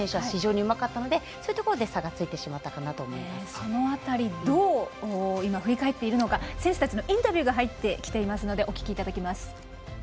非常にうまかったのでそういうところで差がついてしまったかなとその辺りどう振り返っているのか選手たちのインタビューが入ってきています。